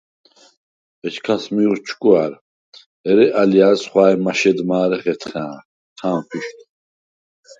ეჩქას მი ოთჭკუ̂ა̈რ, ერე “ალჲა̈რს ხუ̂ა̈ჲ მაშედ მა̄რე ხეთხა̄̈ნხ, ქა̄ნფუ̂იშდხ”.